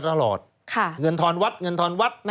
สวัสดีค่ะต้อนรับคุณบุษฎี